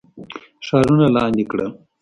ښارونه لاندي کړل.